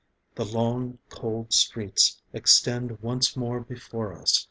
The long cold streets extend once more before us.